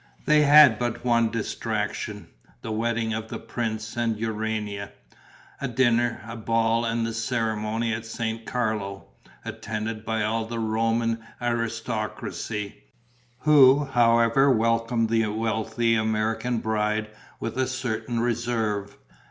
They had but one distraction, the wedding of the prince and Urania: a dinner, a ball and the ceremony at San Carlo, attended by all the Roman aristocracy, who however welcomed the wealthy American bride with a certain reserve.